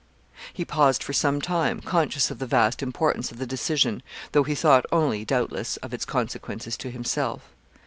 He paused for some time, conscious of the vast importance of the decision, though he thought only, doubtless, of its consequences to himself.